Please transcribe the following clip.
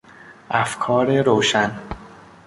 افکار روشن